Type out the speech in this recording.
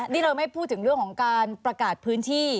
นี่เราไม่พูดถึงเรื่องของการประกาศพื้นที่